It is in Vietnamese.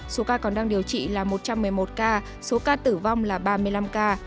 số ca còn đang điều trị là một trăm một mươi một ca số ca tử vong là ba mươi năm ca